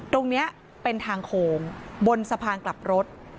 ตรงนี้เป็นทางโคมบนสะพานกลับรถ